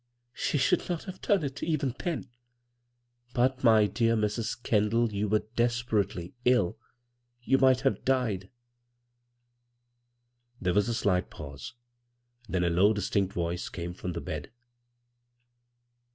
" She should nat have done it, even then," " But, my dear Mrs. Kendall, you were des perately ill. You might have died." There was a slight pause ; then a low, dis tinct voice came from the bed.